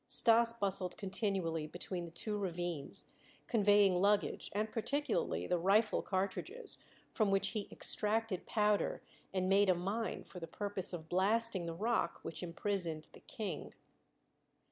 Stas bustled continually between the two ravines, conveying luggage and particularly the rifle cartridges, from which he extracted powder and made a mine for the purpose of blasting the rock which imprisoned the King.